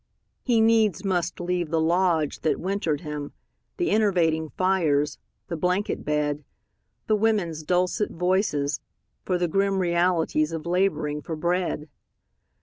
He needs must leave the lodge that wintered him, The enervating fires, the blanket bed The women's dulcet voices, for the grim Realities of labouring for bread.